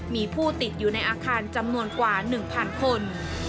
มีผู้ติดอยู่ในอาคารจำนวนกว่า๑๐๐คน